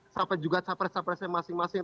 siapa juga capres capresnya masing masing